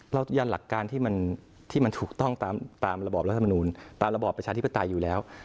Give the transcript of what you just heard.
ยืนยันหลักการที่มันถูกต้องตามระบอบรัฐมนูลตามระบอบประชาธิปไตยอยู่แล้ว